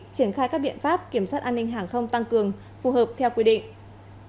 triển khai các biện pháp kiểm soát an ninh hàng không tăng cường phù hợp theo quy định